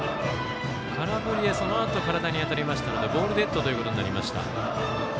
空振りでそのあと体に当たりましたのでボールデッドということになりました。